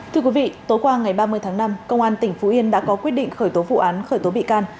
thưa quý vị tối qua ngày ba mươi tháng năm công an tỉnh phú yên đã có quyết định khởi tố vụ án khởi tố bị can